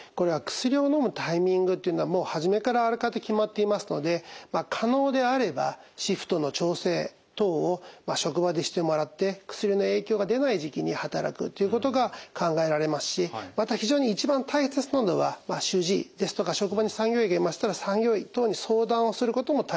薬をのむタイミングっていうのはもうはじめからあらかた決まっていますので可能であればシフトの調整等を職場でしてもらって薬の影響が出ない時期に働くということが考えられますしまた非常に一番大切なのは主治医ですとか職場に産業医がいましたら産業医等に相談をすることも大切だと思います。